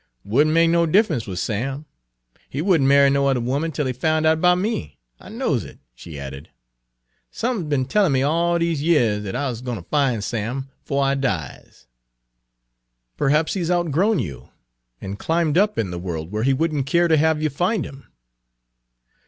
"Would n' make no diff'ence wid Sam. He would n' marry no yuther 'ooman 'tel he foun' out 'bout me. I knows it," she added. " Sump'n's be'n tellin' me all dese years dat I's gwine fin' Sam 'fo' I dies." "Perhaps he 's outgrown you, and climbed up in the world where he wouldn't care to have you find him."